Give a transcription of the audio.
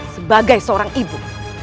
sebagai seorang ibu